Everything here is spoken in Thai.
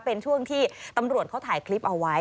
เป็นช่วงที่ตำรวจเขาถ่ายคลิปเอาไว้